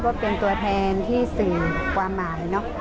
ก็เป็นตัวแทนที่สื่อความหมายเนอะ